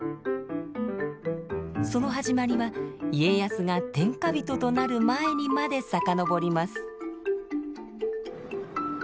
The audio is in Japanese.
その始まりは家康が天下人となる前にまで遡ります。